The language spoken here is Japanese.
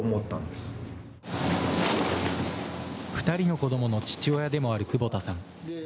２人の子どもの父親でもある久保田さん。